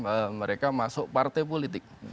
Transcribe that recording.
mereka masuk partai politik